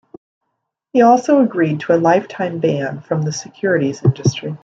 He also agreed to a lifetime ban from the securities industry.